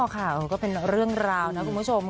ค่ะก็เป็นเรื่องราวนะคุณผู้ชม